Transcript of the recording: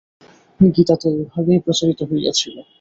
গীতা তো এইভাবেই প্রচারিত হইয়াছিল।